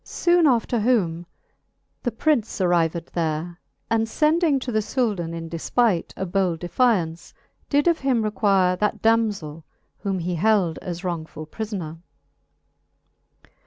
Soone after whom the Prince arrived there, And fending to the Souldan in defpight A bold defyance, did of him requere That damzell, whom he held as wrongfull prifonere.